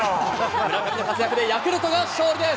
村上の活躍で、ヤクルトが勝利です。